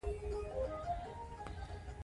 انګریزان حلالېدل.